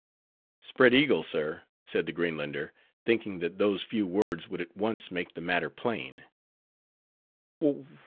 "Spread eagle, sir," said the Greenlander, thinking that those few words would at once make the matter plain.